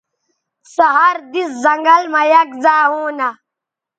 سے ہر دِس زنگل مہ یک زائے ہونہ